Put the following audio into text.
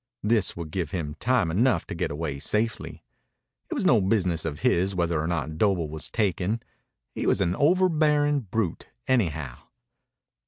This would give him time enough to get away safely. It was no business of his whether or not Doble was taken. He was an overbearing brute, anyhow.